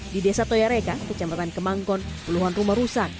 di desa toyareka kecamatan kemangkon puluhan rumah rusak